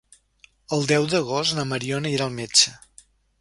El deu d'agost na Mariona irà al metge.